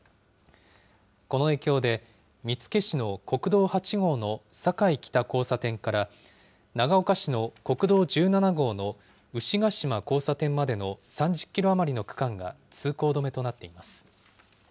この影響で、見附市の国道８号の坂井北交差点から、長岡市の国道１７号の牛ケ島交差点までの３０キロ余りの区間が通行止めとなっています。